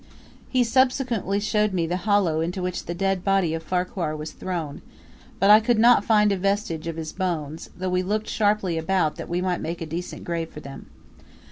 He subsequently showed me the hollow into which the dead body of Farquhar was thrown, but I could not find a vestige of his bones, though we looked sharply about that we might make a decent grave for them.